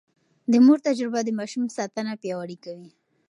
د مور تجربه د ماشوم ساتنه پياوړې کوي.